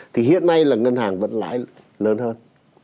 thì hiện nay là ngân hàng vẫn lãi lớn hơn